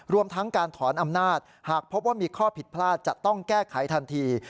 รวมทั้งการถอนอำนาจหากพบว่ามีข้อผิดพลาดจะต้องแก้ไขทันที